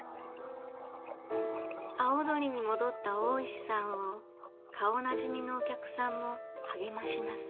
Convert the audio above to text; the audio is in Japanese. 葵鳥に戻った大石さんを顔なじみのお客さんも励まします。